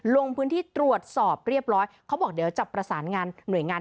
ลงพื้นที่ตรวจสอบเรียบร้อยเขาบอกเดี๋ยวจะประสานงานหน่วยงาน